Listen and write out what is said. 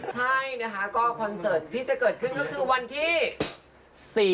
ใช่นะคะก็คอนเสิร์ตที่จะเกิดขึ้นก็คือวันที่๔